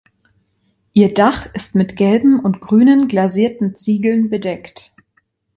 Ihr Dach ist mit gelben und grünen glasierten Ziegeln bedeckt.